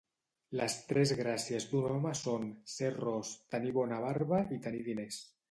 Les tres gràcies d'un home són: ser ros, tenir bona barba i tenir diners.